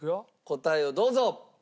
答えをどうぞ！